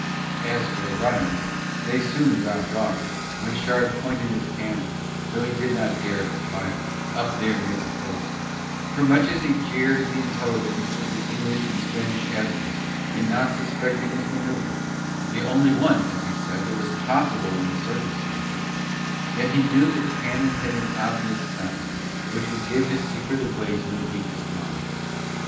As for the runners they soon dropped off when Shard pointed his cannon though he did not dare to fire, up there near the coast; for much as he jeered at the intelligence of the English and Spanish Admirals in not suspecting his manoeuvre, the only one as he said that was possible in the circumstances, yet he knew that cannon had an obvious sound which would give his secret away to the weakest mind.